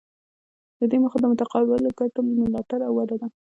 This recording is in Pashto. د دې موخه د متقابلو ګټو ملاتړ او وده ده